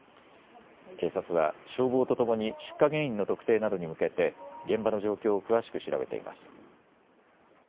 警察は消防とともに出火原因の特定などに向けて現場の状況を詳しく調べています。